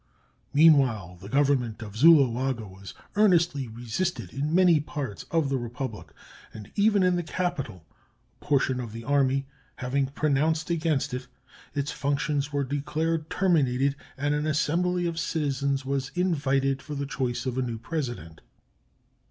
Meanwhile the Government of Zuloaga was earnestly resisted in many parts of the Republic, and even in the capital, a portion of the army having pronounced against it, its functions were declared terminated, and an assembly of citizens was invited for the choice of a new President.